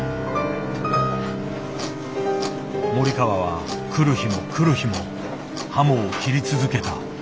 森川は来る日も来る日もハモを切り続けた。